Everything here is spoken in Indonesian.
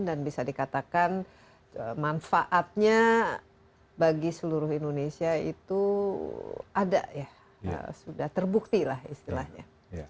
dan bisa dikatakan manfaatnya bagi seluruh indonesia itu ada ya sudah terbukti lah istilahnya